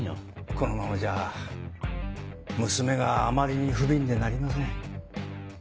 このままじゃあ娘があまりに不憫でなりません。